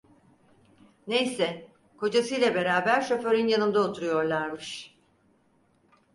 Neyse, kocasıyla beraber şoförün yanında oturuyorlarmış.